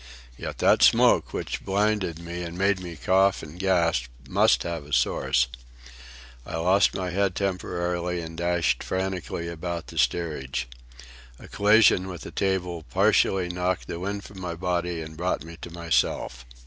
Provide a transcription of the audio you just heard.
Yet that smoke which blinded me and made me cough and gasp must have a source. I lost my head temporarily and dashed frantically about the steerage. A collision with the table partially knocked the wind from my body and brought me to myself.